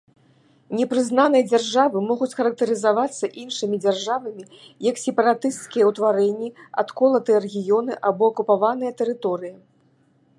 Непрызнаныя дзяржавы могуць характарызавацца іншымі дзяржавамі як сепаратысцкія ўтварэнні, адколатыя рэгіёны або акупаваныя тэрыторыі.